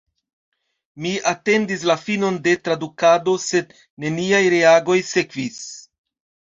Mi atendis la finon de tradukado – sed neniaj reagoj sekvis.